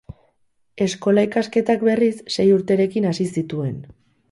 Eskola ikasketak, berriz, sei urterekin hasi zituen.